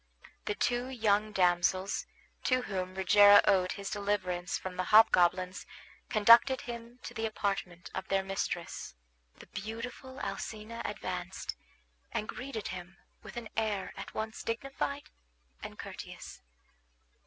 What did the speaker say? The two young damsels to whom Rogero owed his deliverance from the hobgoblins conducted him to the apartment of their mistress. The beautiful Alcina advanced, and greeted him with an air at once dignified and courteous.